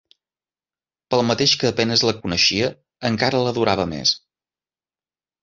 Pel mateix que a penes la coneixia, encara l'adorava més.